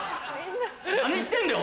何してんだよ